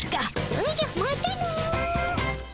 おじゃまたの。